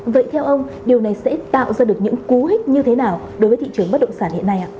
vậy theo ông điều này sẽ tạo ra được những cú hích như thế nào đối với thị trường bất động sản hiện nay ạ